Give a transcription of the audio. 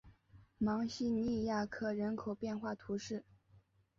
芒西尼亚克人口变化图示